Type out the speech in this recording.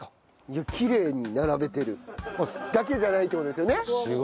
いやきれいに並べてる。だけじゃないって事ですよね？